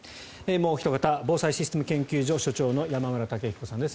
もうおひと方防災システム研究所所長の山村武彦さんです。